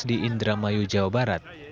dia bertugas di indramayu jawa barat